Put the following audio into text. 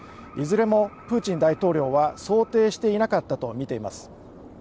いずれもプーチン大統領は想定していなかったとみています。